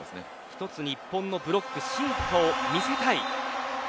１つ、日本のブロック進化を見せたい。